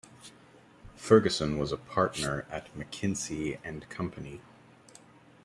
Ferguson was a partner at McKinsey and Company.